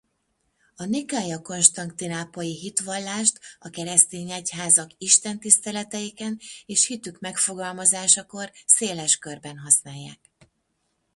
A Nikaia-konstantinápolyi hitvallást a keresztény egyházak istentiszteleteiken és hitük megfogalmazásakor széles körben használják.